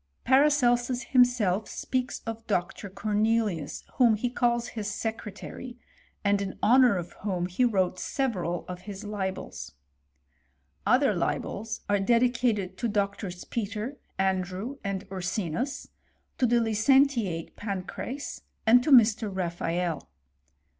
Paracelsus himself, speaks of Dr. Corne lius, whom he calls his secretary, and in honour of whom he wrote several of his libels. Other libels are dedicated to Doctors Peter, Andrew, and Ursinus, to the licentiate Pancrace, and to Mr. Raphael.